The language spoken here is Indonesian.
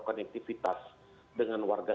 konektivitas dengan warga